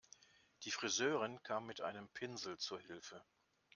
Die Friseurin kam mit einem Pinsel zu Hilfe.